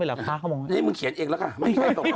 เขาบอกว่าแชร์ดาร์บอกว่า